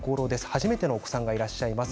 初めてのお子さんがいらっしゃいます。